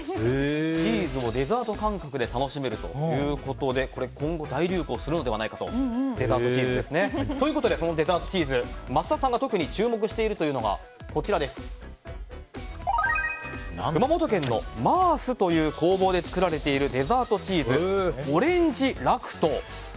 チーズをデザート感覚で楽しめるということで今後、大流行するのではないかと。ということでそのデザートチーズ、桝田さんが特に注目しているというのが熊本県のＭＡＲＳという工房で作られているデザートチーズオレンジラクト。